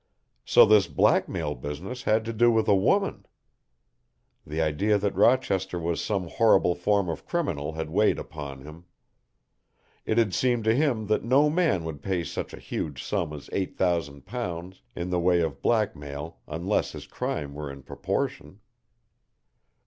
So this blackmail business had to do with a woman. The idea that Rochester was some horrible form of criminal had weighed upon him. It had seemed to him that no man would pay such a huge sum as eight thousand pounds in the way of blackmail unless his crime were in proportion.